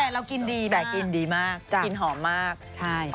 แต่เรากินดีแต่กินดีมากกินหอมมากใช่